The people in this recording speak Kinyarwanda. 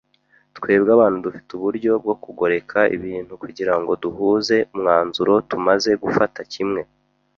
Twebwe abantu dufite uburyo bwiza bwo kugoreka ibintu kugirango duhuze umwanzuro tumaze gufata kimwe.